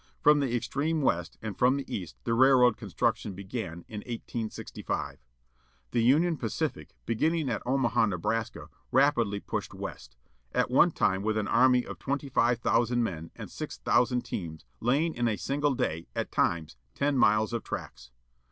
From the extreme West, and from the East, the railroad construction began, in 1865. The Union Pacific, beginning at Omaha, Nebraska, rapidly pushed west. At one time with an army of twenty five thousand men, and six thousand teams, laying in a single day, at times, ten miles of tracks.